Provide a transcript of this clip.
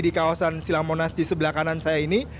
di kawasan silang monas di sebelah kanan saya ini